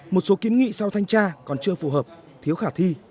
một số kiến nghị sau thanh tra còn chưa phù hợp thiếu khả thi